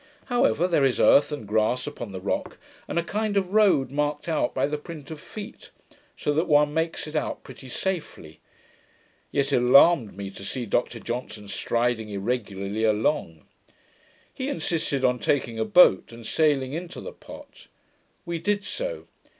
However, there is earth and grass upon the rock, and a kind of road marked out by the print of feet; so that one makes it out pretty safely: yet it alarmed me to see Dr Johnson striding irregularly along. He insisted on taking a boat, and sailing into the Pot. We did so.